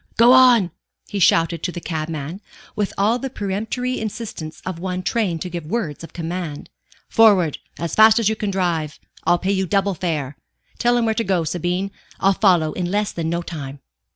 "Go on!" he shouted to the cabman, with all the peremptory insistence of one trained to give words of command. "Forward! As fast as you can drive. I'll pay you double fare. Tell him where to go, Sabine. I'll follow in less than no time."